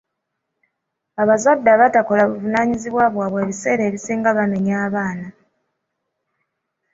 Abazadde abatakola buvunaanyizibwa bwabwe ebiseera ebisinga bamenya abaana.